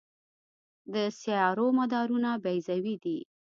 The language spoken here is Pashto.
د سیارو مدارونه بیضوي دي.